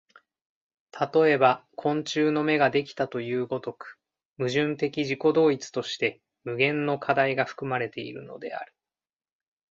例えば昆虫の眼ができたという如く、矛盾的自己同一として無限の課題が含まれているのである。